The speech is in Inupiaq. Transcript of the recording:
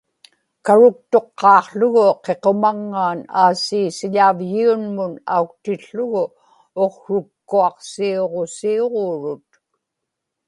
karuktuqqaaqługu qiqumaŋŋaan aasi siḷavyiunmun auktiłługit uqsrukkuaqsiuġusiuġuurut